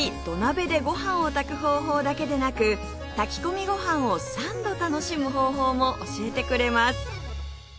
土鍋でご飯を炊く方法だけでなく炊き込みご飯を３度楽しむ方法も教えてくれます！